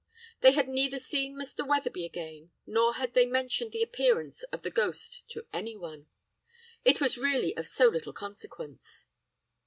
"They had neither seen Mr. Wetherby again, nor had they mentioned the appearance of the ghost to anyone. It was really of so little consequence.